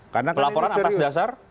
pelaporan atas dasar